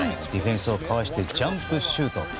ディフェンスをかわしてジャンプシュート。